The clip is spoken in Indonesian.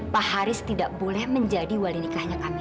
pak haris tidak boleh menjadi wali nikahnya kami